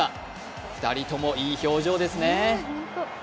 ２人ともいい表情ですね。